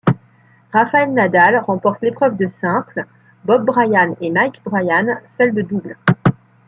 Rafael Nadal remporte l'épreuve de simple, Bob Bryan et Mike Bryan celle de double.